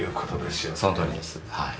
そのとおりですはい。